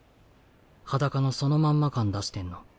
裸のそのまんま感出してんの？